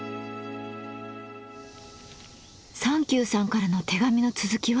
三休さんからの手紙の続きは？